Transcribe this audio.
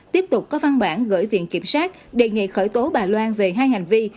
tiếp tục có văn bản gửi tiện kiểm soát đề nghị khởi tố bà loan về hai hành vi